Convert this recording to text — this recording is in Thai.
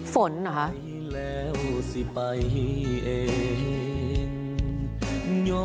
ฝนเหรอ